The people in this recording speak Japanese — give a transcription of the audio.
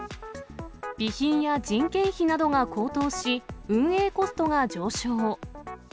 備品や人件費などが高騰し、運営コストが上昇。